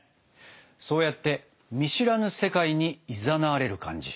そうやって見知らぬ世界にいざなわれる感じ。